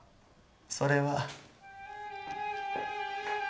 それは。